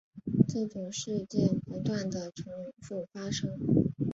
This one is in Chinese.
这种事件不断地重覆发生。